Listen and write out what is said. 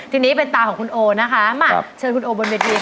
ทีนี้เป็นตาของคุณโอนะคะมาเชิญคุณโอบนเวที